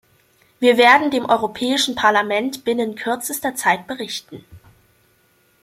Wir werden dem Europäischen Parlament binnen kürzester Zeit berichten.